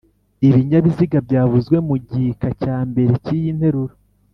ibinyabiziga byavuzwe mu gika cya mbere cy'iyi nteruro.